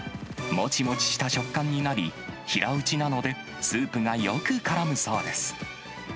もちもちした食感になり、平打ちなので、スープがよくからむそうです。